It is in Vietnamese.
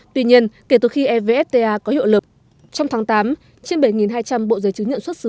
tuy nhiên kể từ khi evfta có hiệu lực trong tháng tám trên bảy hai trăm linh bộ giới chứng nhận xuất xứ